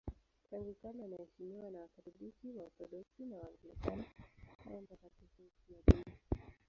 Tangu kale anaheshimiwa na Wakatoliki, Waorthodoksi na Waanglikana kama mtakatifu mfiadini.